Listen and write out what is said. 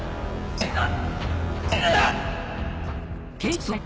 えっ？